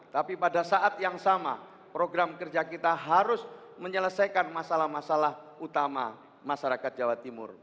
tapi pada saat yang sama program kerja kita harus menyelesaikan masalah masalah utama masyarakat jawa timur